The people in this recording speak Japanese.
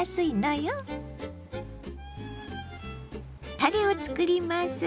たれをつくります。